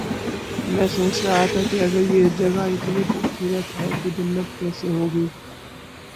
میں سوچ رہا تھا کہ اگر یہ جگہ اتنی خوب صورت ہے تو جنت کیسی ہو گی